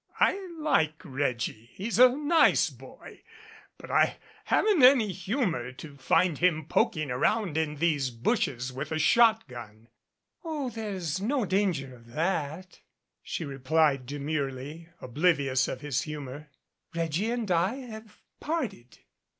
"I like Reggie. He's a nice boy. But I haven't any humor to find him poking around in these bushes with a shotgun." 133 MADCAP "Oh, there's no danger of that," she replied demurely, oblivious of his humor. "Reggie and I have parted."